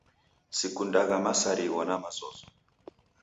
Sikundagha msarigho na mazozo